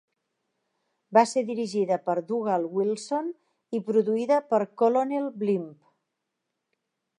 Va ser dirigida per Dougal Wilson i produïda per Colonel Blimp.